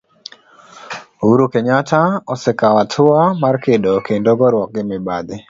Uhuru Kenyatta osekao atua mar kedo kendo goruok gi mibadhi.